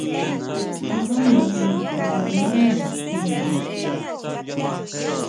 Xuʼba ma nikʼa nandá nga tjéjin.